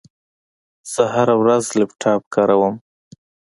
زه هره ورځ لپټاپ کاروم.